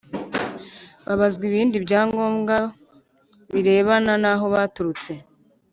Babazwa ibindi bya ngombwa birebana naho baturutse